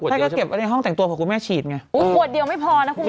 ใช่ก็เก็บในห้องแต่งตัวของคุณแม่ฉีดไง